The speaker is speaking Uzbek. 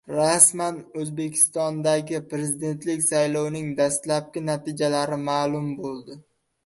Rasman! O‘zbekistondagi prezidentlik saylovining dastlabki natijalari ma’lum bo‘ldi